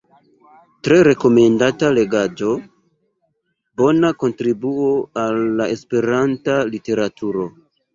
Tre rekomendata legaĵo, bona kontribuo al la Esperanta literaturo.